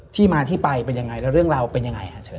ที่มาที่ไปเป็นยังไงแล้วเรื่องราวเป็นยังไงฮะเชิญ